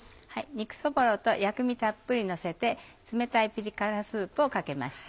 肉そぼろと薬味たっぷりのせて冷たいピリ辛スープをかけました。